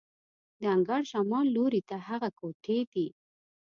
د انګړ شمال لوري ته هغه کوټې دي.